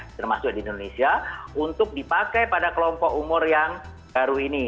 termasuk di indonesia untuk dipakai pada kelompok umur yang baru ini